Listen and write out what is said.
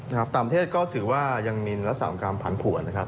นะครับต่างประเทศก็ถือว่ายังมีละ๓กรัมผันผวนนะครับ